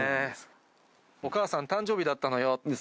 お母さん、誕生日だったのよ。